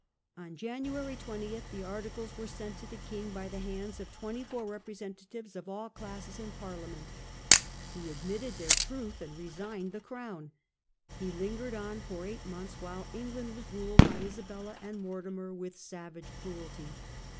On January 20 the articles were sent to the king by the hands of twenty four representatives of all classes in Parliament. He admitted their truth and resigned the crown. He lingered on for eight months, while England was ruled by Isabella and Mortimer with savage cruelty.